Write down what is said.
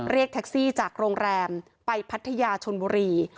เรียกแท็กซี่จากโรงแรมไปพัทยาชนบุรี